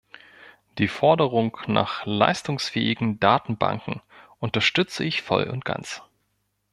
Die Forderung nach leistungsfähigen Datenbanken unterstütze ich voll und ganz.